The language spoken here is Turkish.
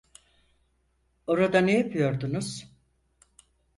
Orada ne yapıyordunuz?